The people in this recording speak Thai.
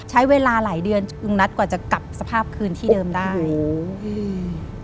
ใช้เวลาหลายเดือนลุงนัทกว่าจะกลับสภาพคืนที่เดิมได้โอ้อืม